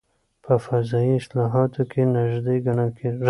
په فضایي اصطلاحاتو کې نژدې ګڼل کېږي.